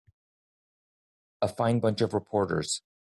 A fine bunch of reporters.